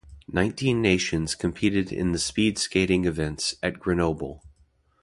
Nineteen nations competed in the speed skating events at Grenoble.